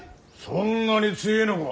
そんなに強えのか。